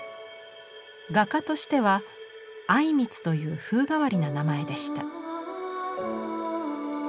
画家としては靉光という風変わりな名前でした。